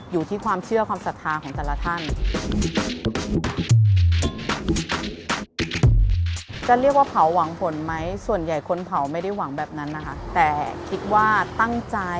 อยู่ที่ความเชื่อความศรัทธาของแต่ละท่าน